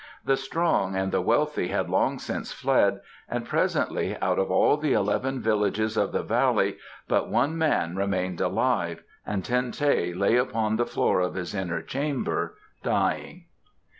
The strong and the wealthy had long since fled, and presently out of all the eleven villages of the valley but one man remained alive and Ten teh lay upon the floor of his inner chamber, dying.